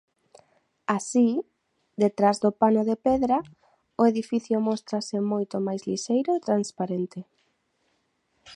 Así, detrás do pano de pedra, o edificio móstrase moito máis lixeiro e transparente.